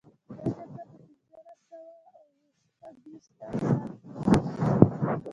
دا جګړه په پنځلس سوه او شپږویشتم کال کې وه.